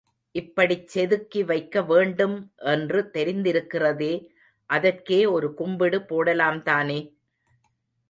இப்படிச் செதுக்கி வைக்க வேண்டும் என்று தெரிந்திருக்கிறதே, அதற்கே ஒரு கும்பிடு போடலாம் தானே?